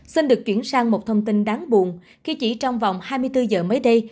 xin được chuyển sang một thông tin đáng buồn khi chỉ trong vòng hai mươi bốn giờ mới đây